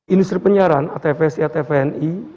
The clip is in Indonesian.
industri penyiaran atvsi atvni